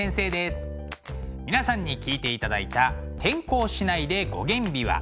皆さんに聴いていただいた「転校しないで五絃琵琶」。